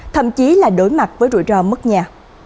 thậm chí là đối mặt với rủi ro mất nhà